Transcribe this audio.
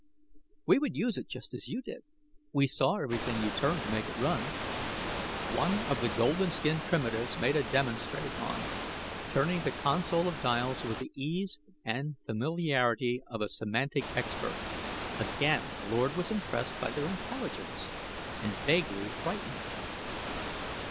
"We would use it just as you did; we saw everything you turned to make it run." One of the golden skinned primitives made a demonstration, turning the console of dials with the ease and familiarity of a semantic expert. Again Lord was impressed by their intelligence and vaguely frightened.